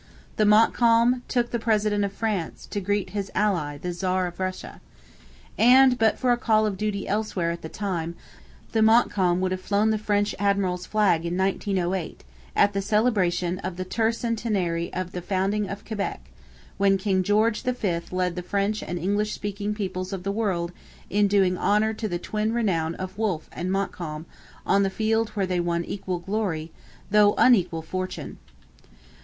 The Montcalm took the President of France to greet his ally the Czar of Russia. And, but for a call of duty elsewhere at the time, the Montcalm would have flown the French admiral's flag in 1908, at the celebration of the Tercentenary of the founding of Quebec, when King George V led the French and English speaking peoples of the world in doing honour to the twin renown of Wolfe and Montcalm on the field where they won equal glory, though unequal fortune.